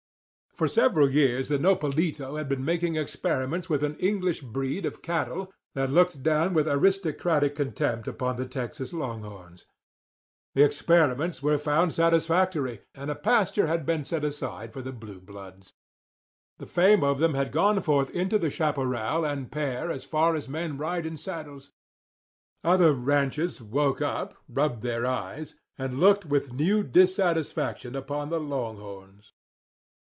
For several years the Nopalito had been making experiments with an English breed of cattle that looked down with aristocratic contempt upon the Texas long horns. The experiments were found satisfactory; and a pasture had been set aside for the blue bloods. The fame of them had gone forth into the chaparral and pear as far as men ride in saddles. Other ranches woke up, rubbed their eyes, and looked with new dissatisfaction upon the long horns.